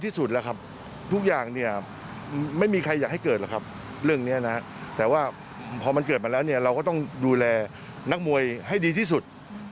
ที่สุดแล้วครับทุกอย่างเนี่ยไม่มีใครอยากให้เกิดหรอกครับเรื่องนี้นะแต่ว่าพอมันเกิดมาแล้วเนี่ยเราก็ต้องดูแลนักมวยให้ดีที่สุด